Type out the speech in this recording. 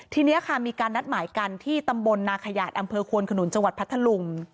ทีนี้ค่ะมีการนัดหมายกันที่ตำบลนาขยาดอำเภอควนขนุนจังหวัดพัทธลุง